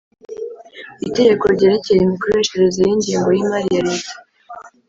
Itegeko ryerekeye imikoreshereze y ingengo y imari ya Leta